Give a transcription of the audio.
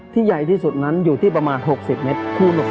ที่ใหญ่ที่สุดนั้นอยู่ที่ประมาณ๖๐เมตรคูณ๖๐เมตร